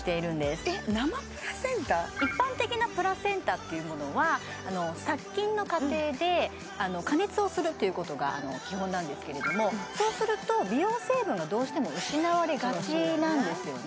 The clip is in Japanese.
一般的なプラセンタっていうものは殺菌の過程で加熱をするっていうことが基本なんですけれどもそうすると美容成分がどうしても失われがちなんですね